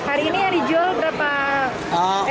hari ini yang dijual berapa